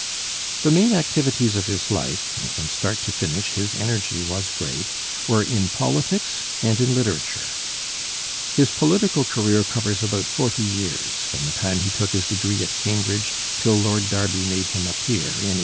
The main activities of his life and from start to finish his energy was great were in politics and in literature. His political career covers about forty years, from the time he took his degree at Cambridge till Lord Derby made him a peer in 1866.